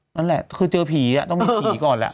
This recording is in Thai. นั่นแหละคือเจอผีต้องมีผีก่อนแหละ